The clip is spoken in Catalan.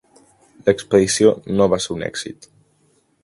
L'expedició no va ser un èxit.